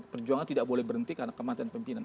perjuangan tidak boleh berhenti karena kematian pimpinan